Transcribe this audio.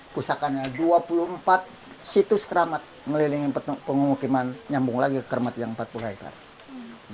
pusakanya dua puluh empat situs keramat ngelilingi pengumukiman nyambung lagi ke kermat yang empat puluh hektare